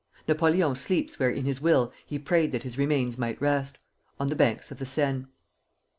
Napoleon sleeps where in his will he prayed that his remains might rest, on the banks of the Seine.